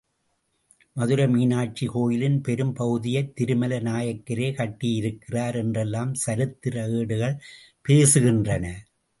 மதுரை மீனாக்ஷி கோயிலின் பெரும் பகுதியை திருமலை நாயக்கரே கட்டியிருக்கிறார் என்றெல்லாம் சரித்திர ஏடுகள் பேசுகின்றன.